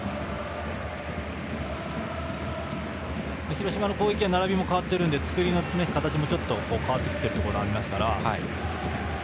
広島の攻撃は並びも変わっているので作りの攻撃もちょっと変わってきているところがありますから。